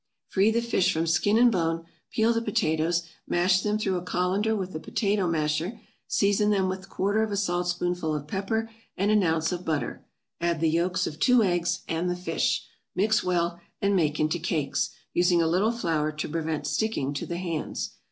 Free the fish from skin and bone; peel the potatoes, mash them through a colander with a potato masher, season them with quarter of a saltspoonful of pepper and an ounce of butter; add the yolks of two eggs, and the fish; mix well, and make into cakes, using a little flour to prevent sticking to the hands.